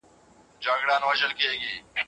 افغان سوداګر د ډیرو بهرنیو سفارتونو خدمتونه نه لري.